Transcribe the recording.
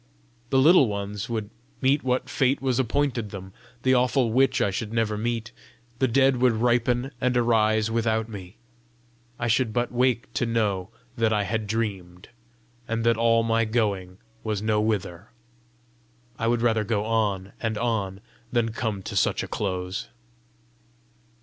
The Little Ones would meet what fate was appointed them; the awful witch I should never meet; the dead would ripen and arise without me; I should but wake to know that I had dreamed, and that all my going was nowhither! I would rather go on and on than come to such a close!